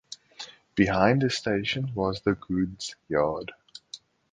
Behind the station was the goods yard.